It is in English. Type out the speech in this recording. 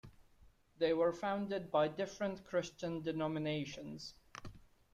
They were founded by different Christian denominations.